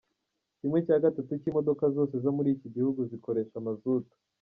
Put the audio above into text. Kimwe cya gatatu cy’imodoka zose zo muri iki gihugu zikoresha mazutu.